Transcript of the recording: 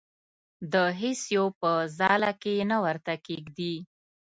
د هیڅ یو په ځاله کې یې نه ورته کېږدي.